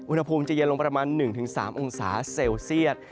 อุณหภูมิจะเย็นลงประมาณ๑๓องศาเซลเซียต